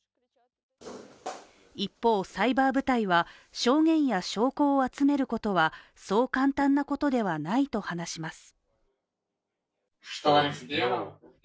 一方、サイバー部隊は証言や証拠を集めることはそう簡単なことではないと話します。